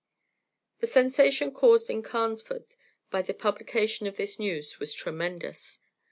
The sensation caused in Carnesford by the publication of this news was tremendous.